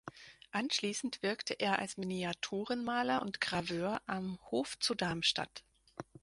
Anschließend wirkte er als Miniaturenmaler und Graveur am Hof zu Darmstadt.